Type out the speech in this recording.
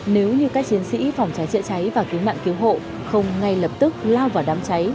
nếu như các chiến sĩ phòng cháy chữa cháy và cứu nạn cứu hộ không ngay lập tức lao vào đám cháy